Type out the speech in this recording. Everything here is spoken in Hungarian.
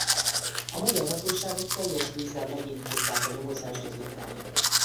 A magyar hatóságok teljes gőzzel megindították a nyomozást az ügyben.